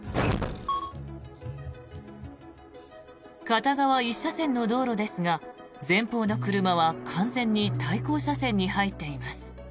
片側１車線の道路ですが前方の車は完全に対向車線に入っています。